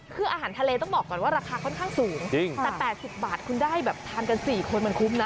คืออาหารทะเลต้องบอกก่อนว่าราคาค่อนข้างสูงแต่๘๐บาทคุณได้แบบทานกัน๔คนมันคุ้มนะ